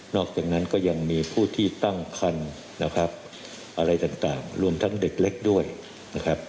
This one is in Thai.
อกจากนั้นก็ยังมีผู้ที่ตั้งคันนะครับอะไรต่างรวมทั้งเด็กเล็กด้วยนะครับ